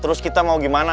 terus kita mau gimana